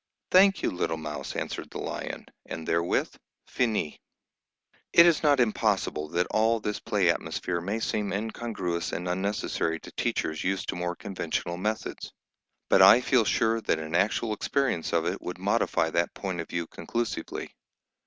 "Thank you, little Mouse," answered the lion; and therewith, finis. It is not impossible that all this play atmosphere may seem incongruous and unnecessary to teachers used to more conventional methods, but I feel sure that an actual experience of it would modify that point of view conclusively.